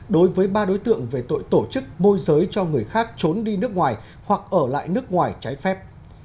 đối với ba đối tượng về tội tổ chức môi giới cho người khác trốn đi nước ngoài hoặc ở lại nước ngoài trái phép